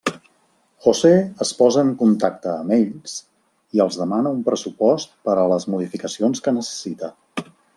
José es posa en contacte amb ells, i els demana un pressupost per a les modificacions que necessita.